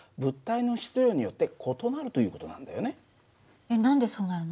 でもえっ何でそうなるの？